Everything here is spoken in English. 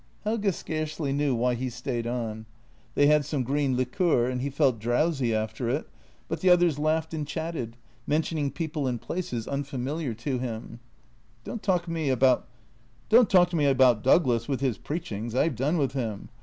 Helge scarcely knew why he stayed on. They had some green liqueur and he felt drowsy after it, but the others laughed and chatted, mentioning people and places unfamiliar to him. " Don't talk to me about Douglas — with his preachings — I have done with him.